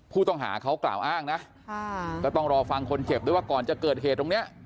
ผู้ต้องหาเขากล่าวอ้างนะก็ต้องรอฟังคนเจ็บด้วยว่าก่อนจะเกิดเหตุตรงนี้